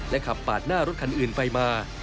ขับปาดหน้ารถคันอื่นไปมา